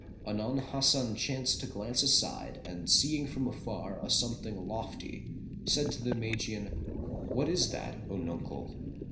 Anon Hasan chanced to glance aside and seeing from afar a something lofty said to the Magian, "What is that, O nuncle?"